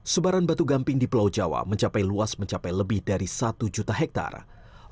sebaran batu gamping di pulau jawa mencapai luas mencapai lebih dari satu juta hektare